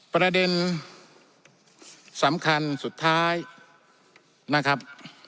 ประเด็นสำคัญสุดท้ายนะครับ